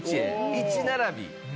「１」並び。